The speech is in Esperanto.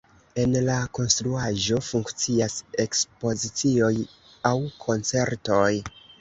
En la konstruaĵo funkcias ekspozicioj aŭ koncertoj.